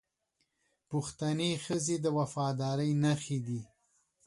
پښتنې ښځې د وفادارۍ نښې دي